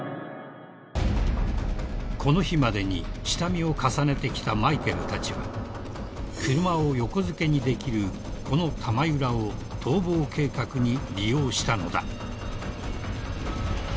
［この日までに下見を重ねてきたマイケルたちは車を横付けにできるこの玉響を逃亡計画に利用したのだ］